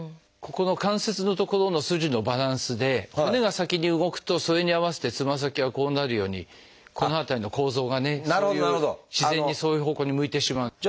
ここの関節の所の筋のバランスで骨が先に動くとそれに合わせてつま先がこうなるようにこの辺りの構造がねそういう自然にそういう方向に向いてしまう。